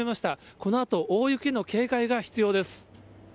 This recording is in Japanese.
このあと大雪の警戒が必要です。